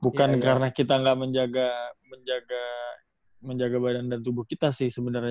bukan karena kita nggak menjaga badan dan tubuh kita sih sebenarnya